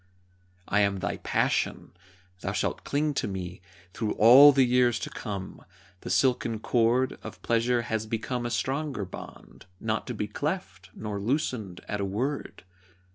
I am thy Passion. Thou shalt cling to me Through all the years to come. The silken cord Of Pleasure has become a stronger bond, Not to be cleft, nor loosened at a word.